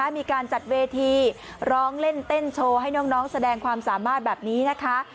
มีการจัดเวทีร้องเล่นเต้นโชว์ให้น้องแสดงความสามารถแบบนี้นะคะ